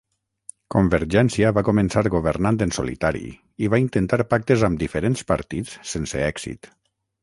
Convergència va començar governant en solitari i va intentar pactes amb diferents partits sense èxit.